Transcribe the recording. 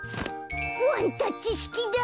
ワンタッチしきだ！